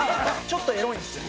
ちょっとエロいんすよ。